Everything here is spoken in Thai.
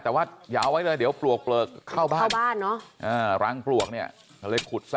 แต่ว่าอย่าเอาไว้เลยเดี๋ยวปลวกเปลือกเข้าบ้านเข้าบ้านเนอะรังปลวกเนี่ยก็เลยขุดซะ